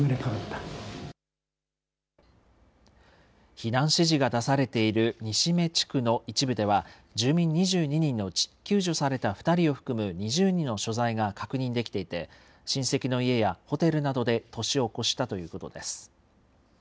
避難指示が出されている西目地区の一部では、住民２２人のうち救助された２人を含む２０人の所在が確認できていて、親戚の家やホテルなどで年を越したということです。